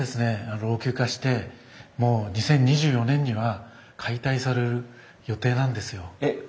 老朽化してもう２０２４年には解体される予定なんですよ。えっ？